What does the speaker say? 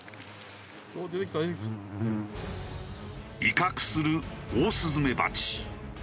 威嚇するオオスズメバチ。